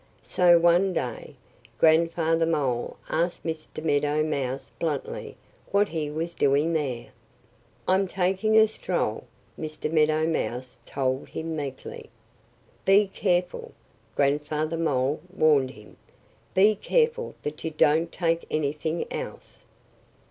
So one day Grandfather Mole asked Mr. Meadow Mouse bluntly what he was doing there. "I'm taking a stroll!" Mr. Meadow Mouse told him meekly. "Be careful" Grandfather Mole warned him "be careful that you don't take anything else!"